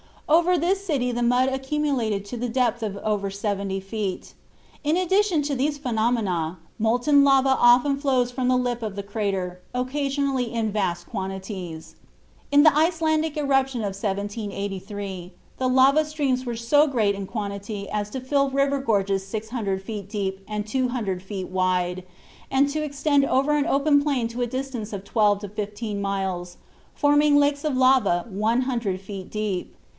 Over this city the mud accumulated to the depth of over 70 feet. In addition to these phenomena, molten lava often flows from the lip of the crater, occasionally in vast quantities. In the Icelandic eruption of 1783 the lava streams were so great in quantity as to fill river gorges 600 ft. deep and 200 ft. wide, and to extend over an open plain to a distance of 12 to 15 miles, forming lakes of lava 100 feet deep.